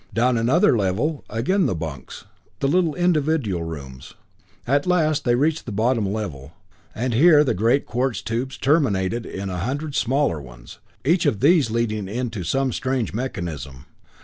Down another level; again the bunks, the little individual rooms. At last they reached the bottom level, and here the great quartz tubes terminated in a hundred smaller ones, each of these leading into some strange mechanism.